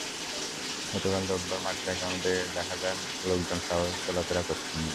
গতকাল রোববার মাটিলা গ্রামে গিয়ে দেখা যায়, লোকজন স্বাভাবিক চলাফেরা করছেন না।